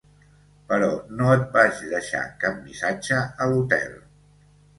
Però no et vaig deixar cap missatge, a l'hotel.